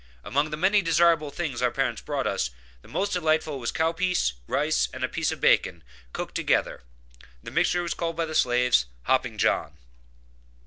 Among the many desirable things our parents brought us the most delightful was cow pease, rice, and a piece of bacon, cooked together; the mixture was called by the slaves "hopping John."